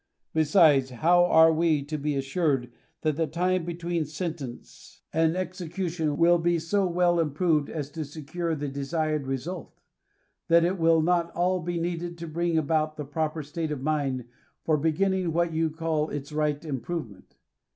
Besides, how are we to be assured that the time between sentence and execution will be so well improved as to secure the desired re sult? — that it will not all be needed to bring about the proper state of mind for beginning what you call its right improvement